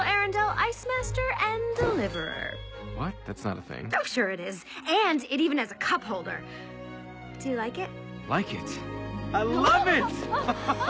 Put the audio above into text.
アハハハ。